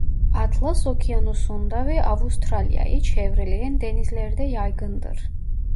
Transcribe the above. Atlas Okyanusu'nda ve Avustralya'yı çevreleyen denizlerde yaygındır.